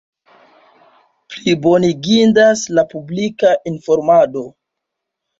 Plibonigindas la publika informado.